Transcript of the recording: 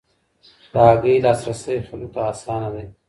د هګۍ لاسرسی خلکو ته اسانه دی.